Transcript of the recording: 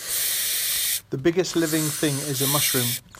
The biggest living thing is a mushroom.